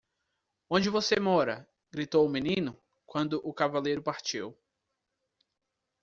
"Onde você mora?" Gritou o menino? quando o cavaleiro partiu.